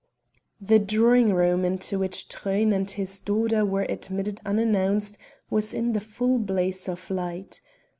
The drawing room into which Truyn and his daughter were admitted unannounced was in the full blaze of light.